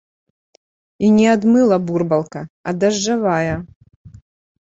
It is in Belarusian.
І не ад мыла бурбалка, а дажджавая.